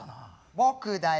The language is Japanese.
僕だよ。